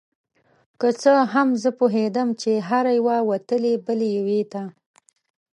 که څه هم زه پوهیدم چې هره یوه وتلې بلې یوې ته